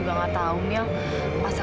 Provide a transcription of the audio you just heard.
lantai ini basah